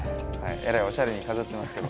えらいおしゃれに飾ってますけど。